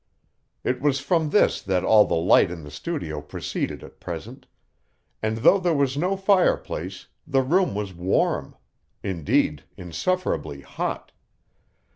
It was from this that all the light in the studio proceeded at present, and though there was no fireplace, the room was warm indeed, insufferably hot.